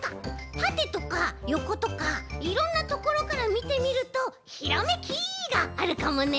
たてとかよことかいろんなところからみてみるとひらめきがあるかもね。